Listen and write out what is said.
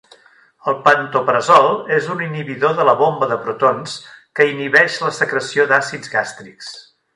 El pantoprazol és un inhibidor de la bomba de protons que inhibeix la secreció d'àcids gàstrics.